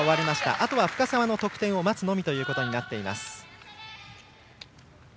あとは深沢の得点を待つのみとなっています。